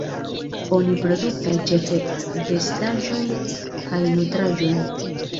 Oni produktaj ĉefe vestaĵojn kaj nutraĵojn.